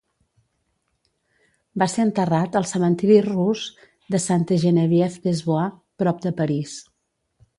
Va ser enterrat al cementiri rus de Sainte-Geneviève-des-Bois prop de París.